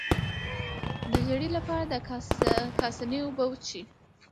د ژیړي لپاره د کاسني اوبه وڅښئ